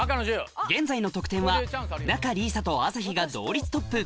現在の得点は仲里依紗と朝日が同率トップ